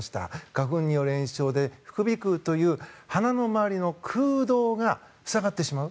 花粉による炎症で副鼻腔という鼻の周りの空洞が塞がってしまう。